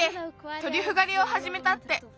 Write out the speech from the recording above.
トリュフがりをはじめたって。